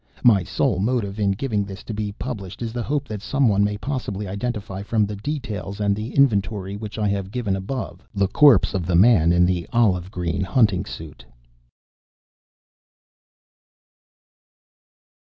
My sole motive in giving this to be published is the hope that some one may possibly identify, from the details and the inventory which I have given above, the corpse of the man in the olive green hunting suit.